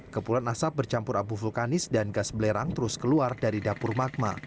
kepulan asap bercampur abu vulkanis dan gas belerang terus keluar dari dapur magma